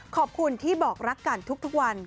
ขอบคุณที่บอกรักกันทุกวัน